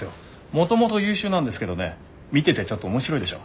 もともと優秀なんですけどね見ててちょっと面白いでしょ。